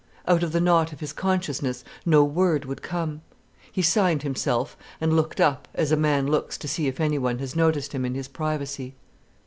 Out of the knot of his consciousness no word would come. He signed himself, and looked up, as a man looks to see if anyone has noticed him in his privacy.